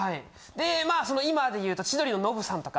でまあ今でいうと千鳥のノブさんとか。